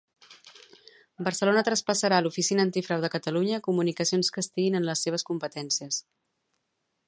Barcelona traspassarà a l'Oficina Antifrau de Catalunya comunicacions que estiguin en les seves competències.